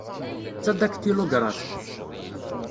D tadaktilugraft.